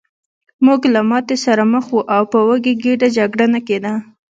موږ له ماتې سره مخ وو او په وږې ګېډه جګړه نه کېده